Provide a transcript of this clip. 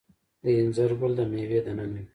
د انځر ګل د میوې دننه وي؟